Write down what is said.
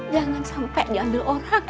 jangan sampai diambil orang